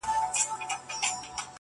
ائینه زړونه درواغ وایي چي نه مرو.